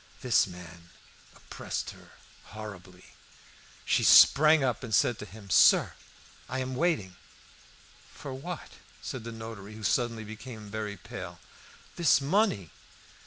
This man oppressed her horribly. She sprang up and said to him "Sir, I am waiting." "For what?" said the notary, who suddenly became very pale. "This money."